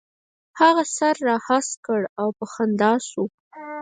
هغه سر را هسک کړ او په خندا شو.